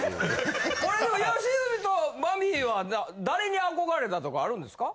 これでも吉住とマミィは誰に憧れたとかあるんですか？